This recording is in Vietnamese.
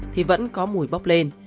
thì vẫn có mùi bóp lên